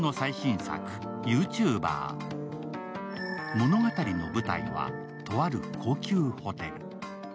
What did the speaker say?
物語の舞台は、とある高級ホテル。